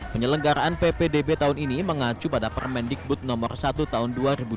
penyelenggaraan ppdb tahun ini mengacu pada permendikbud nomor satu tahun dua ribu dua puluh